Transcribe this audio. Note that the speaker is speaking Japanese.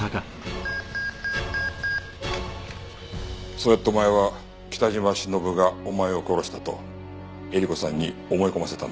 そうやってお前は北島しのぶがお前を殺したとえり子さんに思い込ませたんだな。